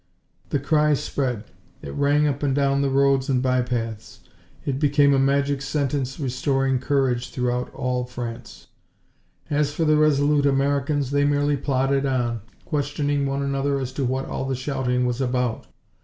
The cry spread; it ran up and down the roads and bypaths; it became a magic sentence restoring courage throughout all France. As for the resolute Americans, they merely plodded on, questioning one another as to what all the shouting was about.